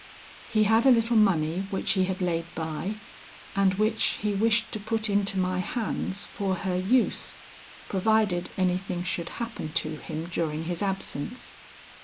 He had a little money which he had laid by and which he wished to put into my hands for her use, provided anything should happen to him during his absence.